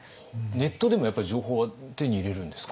ネットでもやっぱり情報は手に入れるんですか？